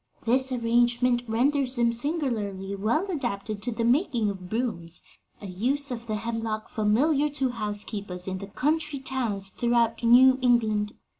This arrangement renders them singularly well adapted to the making of brooms a use of the hemlock familiar to housekeepers in the country towns throughout New England.